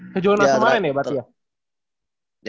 kejuaraan kemarin ya berarti ya